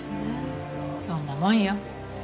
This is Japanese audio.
そんなもんよ。